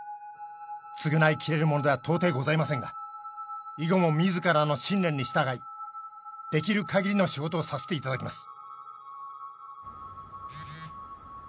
償いきれるものでは到底ございませんが以後も自らの信念に従いできる限りの仕事をさせて頂きます」。